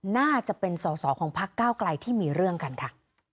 น่าจะเป็นสอสอของพักเก้าไกลที่มีเรื่องกันค่ะ